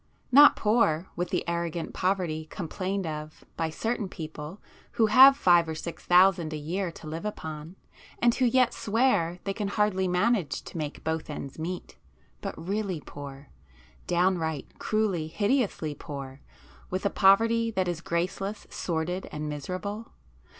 Not poor with the arrogant poverty complained of by certain people who have five or six thousand a year to live upon, and who yet swear they can hardly manage to make both ends meet, but really poor,—downright, cruelly, hideously poor, with a poverty that is graceless, sordid and miserable?